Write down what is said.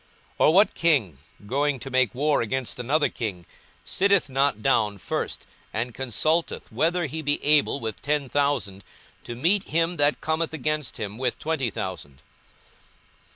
42:014:031 Or what king, going to make war against another king, sitteth not down first, and consulteth whether he be able with ten thousand to meet him that cometh against him with twenty thousand?